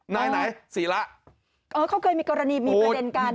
นายสีละเขาเคยมีกรณีมีประเด็นกัน